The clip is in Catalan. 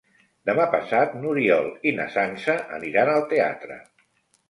Demà passat n'Oriol i na Sança aniran al teatre.